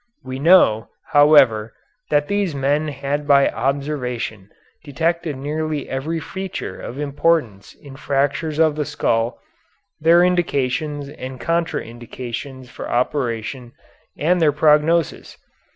We know, however, that these men had by observation detected nearly every feature of importance in fractures of the skull, their indications and contra indications for operation and their prognosis.